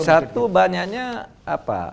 satu banyaknya apa